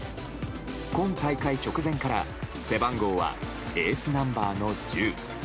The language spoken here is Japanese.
今大会直前から背番号はエースナンバーの１０。